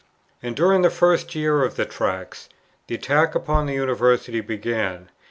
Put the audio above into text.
And during the first year of the Tracts, the attack upon the University began.